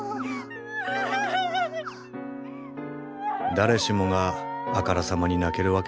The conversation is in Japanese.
誰しもがあからさまに泣けるわけではない。